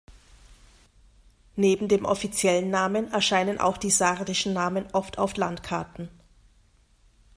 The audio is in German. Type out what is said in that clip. Neben dem offiziellen Namen erscheinen auch die sardischen Namen oft auf Landkarten.